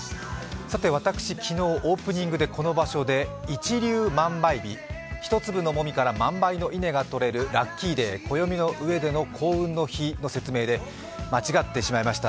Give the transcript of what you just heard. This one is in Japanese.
私、昨日、オープニングでこの場所で一粒万倍日、一粒の籾から万倍の籾がとれるラッキーデー、暦のうえでの幸運の説明で間違ってしまいました。